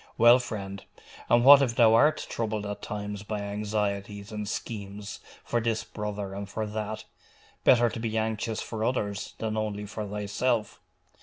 Well, friend! and what if thou art troubled at times by anxieties and schemes for this brother and for that? Better to be anxious for others than only for thyself.